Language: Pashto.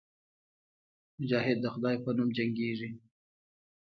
مجاهد د خدای په نوم جنګېږي.